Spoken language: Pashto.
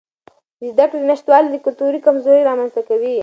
د زده کړې نشتوالی کلتوري کمزوري رامنځته کوي.